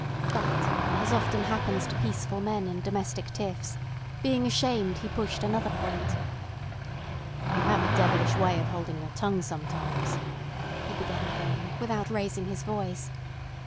But as often happens to peaceful men in domestic tiffs, being ashamed he pushed another point. "You have a devilish way of holding your tongue sometimes," he began again, without raising his voice.